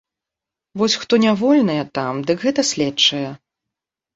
Вось хто нявольныя там, дык гэта следчыя.